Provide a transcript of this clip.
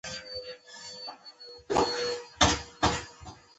بلکې ورک کاوه یې نو ځکه داسې کومه څېره.